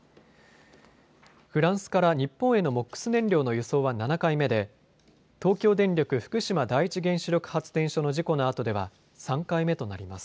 フランスから日本へのＭＯＸ燃料の輸送は７回目で東京電力福島第一原子力発電所の事故のあとでは３回目となります。